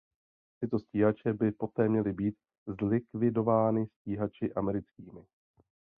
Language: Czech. Tyto stíhače by poté měly být zlikvidovány stíhači americkými.